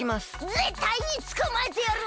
ぜったいにつかまえてやる！